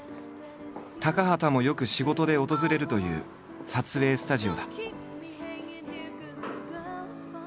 高畑もよく仕事で訪れるという撮影スタジオだ。